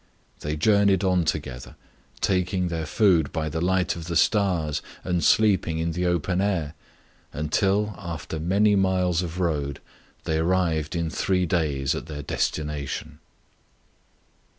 They journeyed on together, taking their food by the light of the stars, and sleeping in the open air, until, after many miles of road, they arrived in three days at their desti nation.